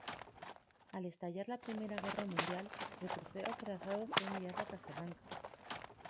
Al estallar la Primera Guerra Mundial, el crucero acorazado fue enviado a Casablanca.